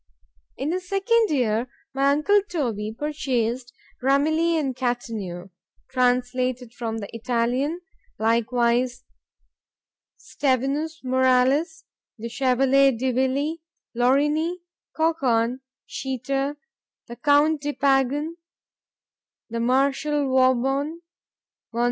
In the second year my uncle Toby purchased Ramelli and Cataneo, translated from the Italian;—likewise Stevinus, Moralis, the Chevalier de Ville, Lorini, Cochorn, Sheeter, the Count de Pagan, the Marshal Vauban, Mons.